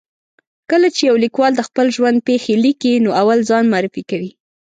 کله چې یو لیکوال د خپل ژوند پېښې لیکي، نو اول ځان معرفي کوي.